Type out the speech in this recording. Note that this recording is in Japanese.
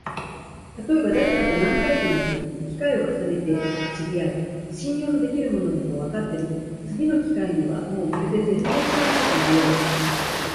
たとえばだれかと何回となく機会を重ねて知り合い、信用のできる者だとわかっても、次の機会にはもうまるで全然知らないかのように、